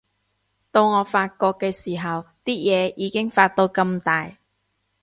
到我發覺嘅時候，啲嘢已經發到咁大